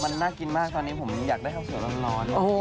มันน่ากินมากตอนนี้ผมอยากได้ข้าวสวยร้อน